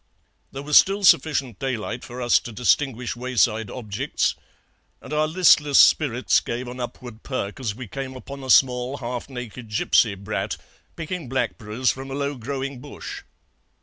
"There was still sufficient daylight for us to distinguish wayside objects, and our listless spirits gave an upward perk as we came upon a small half naked gipsy brat picking blackberries from a low growing bush.